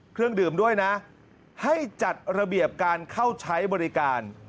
เครื่องดื่มด้วยนะให้จัดระเบียบการเข้าใช้บริการ